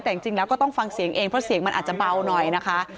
แต่จริงแล้วก็ต้องฟังเสียงเองเพราะเสียงมันอาจจะเบาหน่อยนะคะ